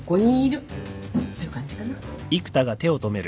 そういう感じかな。